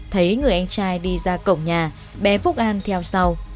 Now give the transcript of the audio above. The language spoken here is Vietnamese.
thấy người anh trai đi ra cổng nhà bé phúc an theo sau